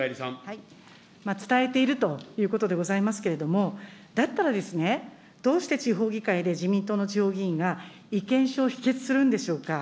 伝えているということでございますけれども、だったらですね、どうして地方議会で自民党の地方議員が、意見書を否決するんでしょうか。